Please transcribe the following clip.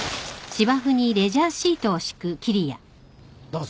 どうぞ。